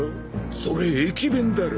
それ駅弁だろ。